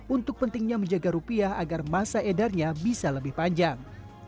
untuk pentingnya menjaga rupiah agar masa edarnya bisa lebih panjang